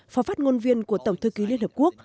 phó phát ngôn viên của tổng thư ký liên hợp quốc